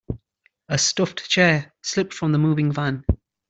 A stuffed chair slipped from the moving van.